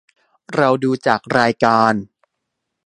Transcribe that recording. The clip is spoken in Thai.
เราดูจากรายการ